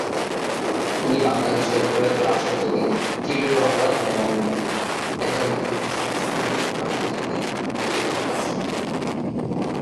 তিনি বাংলাদেশের প্রয়াত রাষ্ট্রপতি জিল্লুর রহমান এবং একজন সমাজকর্মী ও রাজনীতিবিদ আইভি রহমানের সন্তান।